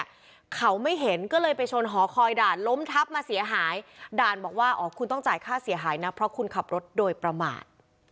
เขาไม่เห็นก็เลยไปชนหอคอยด่านล้มทับมาเสียหายด่านบอกว่าอ๋อคุณต้องจ่ายค่าเสียหายนะเพราะคุณขับรถโดยประมาท